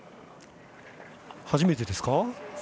初めてですか？